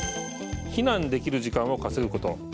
避難できる時間を稼ぐこと。